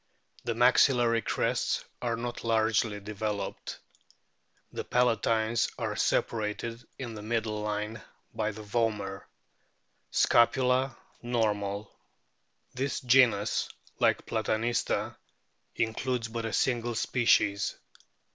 The maxillary crests are not largely developed. The palatines are separated in the middle line by the vomer. Scapula normal. This genus, like Platanista, includes but a single species.